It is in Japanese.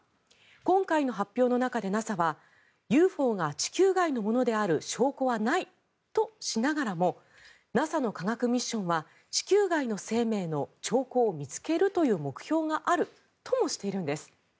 今回の発表の中で、ＮＡＳＡはＵＦＯが地球外のものであるという証拠はないとしながらもＮＡＳＡの科学ミッションは地球外の生命の兆候を見つけるという目標があるともしているんです。